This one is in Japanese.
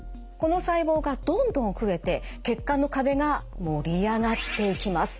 この細胞がどんどん増えて血管の壁が盛り上がっていきます。